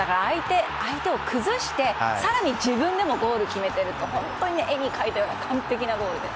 相手を崩して、更に自分でもゴールを決めて本当に絵に描いたような完璧なゴールです。